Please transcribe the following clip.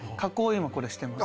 今これしてます。